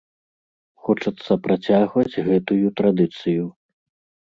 Хочацца працягваць гэтую традыцыю.